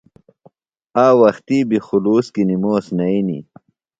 آ وختیۡ بیۡ خُلوص کیۡ نِموس نئینیۡ۔